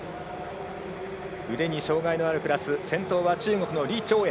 腕に障がいのあるクラス先頭は中国の李朝燕。